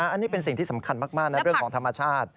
อันนี้เป็นสิ่งที่สำคัญมากนะเรื่องของธรรมชาติ